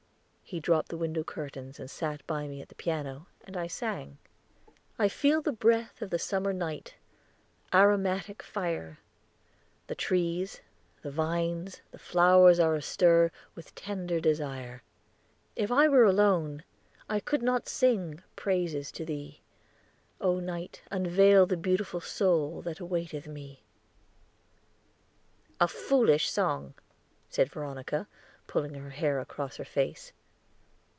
He dropped the window curtains and sat by me at the piano, and I sang: "I feel the breath of the summer night, Aromatic fire; The trees, the vines, the flowers are astir With tender desire. "If I were alone, I could not sing, Praises to thee; O night! unveil the beautiful soul That awaiteth me!" "A foolish song," said Veronica, pulling her hair across her face.